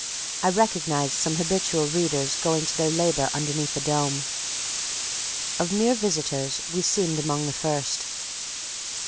I recognized some habitual Readers going to their labor underneath the dome; of mere visitors we seemed among the first.